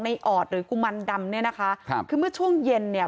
ออดหรือกุมันดำเนี่ยนะคะครับคือเมื่อช่วงเย็นเนี่ย